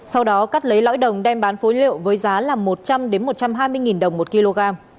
sau đó cắt lấy lõi đồng đem bán phối liệu với giá là một trăm linh một trăm hai mươi đồng một kg